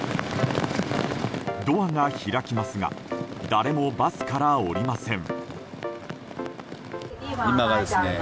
ドアが開きますが誰もバスから降りません。